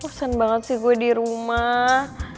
persen banget sih gue di rumah